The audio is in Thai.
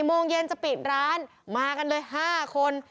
โมงเย็นจะปิดร้านมากันเลย๕คน